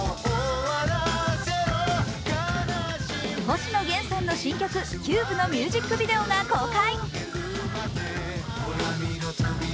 星野源さんの新曲「Ｃｕｂｅ」のミュージックビデオが公開。